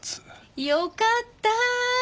よかった！